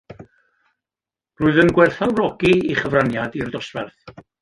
Rwyf yn gwerthfawrogi ei chyfraniad i'r dosbarth.